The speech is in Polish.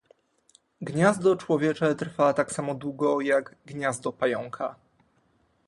"Gniazdo człowiecze trwa tak samo długo, jak gniazdo pająka."